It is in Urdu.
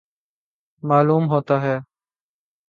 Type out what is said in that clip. معلوم ہوتا ہے